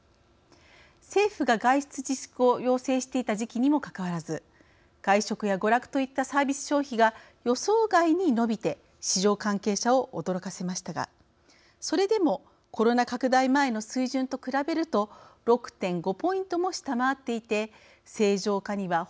政府が外出自粛を要請していた時期にもかかわらず外食や娯楽といったサービス消費が予想外に伸びて市場関係者を驚かせましたがそれでもコロナ拡大前の水準と比べると６．５ポイントも下回っていて正常化にはほど遠い状態です。